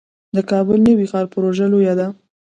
د کابل نوی ښار پروژه لویه ده